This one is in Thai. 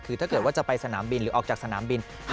คือถ้าเกิดว่าจะไปสนามบินหรือออกจากสนามบิน